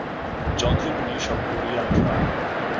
যন্ত্রগুলি সব Korean drum.